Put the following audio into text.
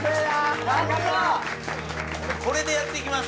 俺これでやっていきます。